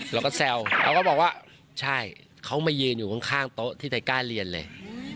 เราก็แซวเราก็บอกว่าใช่เขามายืนอยู่ข้างโต๊ะที่ใจกล้าเรียนเลย